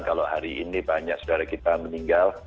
kalau hari ini banyak saudara kita meninggal